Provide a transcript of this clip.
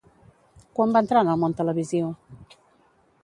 Quan va entrar en el món televisiu?